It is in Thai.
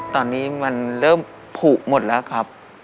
ตอนนี้มันเริ่มผูกหมดแล้วครับ